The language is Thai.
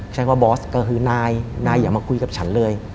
ใช้ว่าบอสก็คือนายนายอย่ามาคุยกับฉันเลย